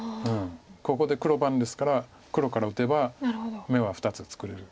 ここで黒番ですから黒から打てば眼は２つ作れる。